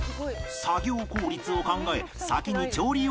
作業効率を考え先に調理用のかまどを作る